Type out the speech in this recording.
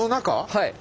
はい。